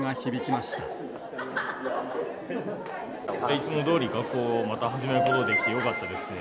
いつもどおり、学校をまた始めることができてよかったですね。